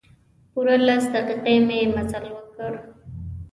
پوره لس دقیقې مې مزل وکړ.